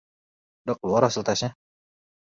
udah keluar hasil testnya?